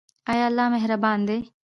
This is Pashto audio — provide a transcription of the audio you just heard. آیا الله مهربان دی؟